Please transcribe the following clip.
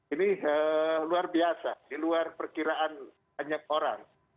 ini luar biasa di luar perkiraan banyak orang